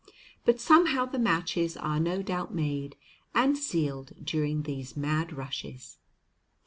But somehow the matches are no doubt made and sealed during these mad rushes.